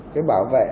cái bảo vệ